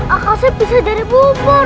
akhasa pisah dari bubur